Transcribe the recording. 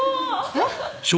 えっ？